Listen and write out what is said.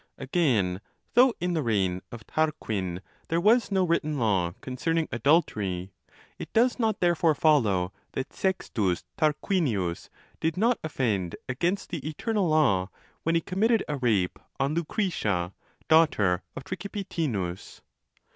Again, though in the reign of Tarquin there was no written law con cerning adultery, it does not therefore follow that Sextus Tarquinius did not offend against the eternal law when he committed a rape on Lucretia, daughter of Tricipitinus.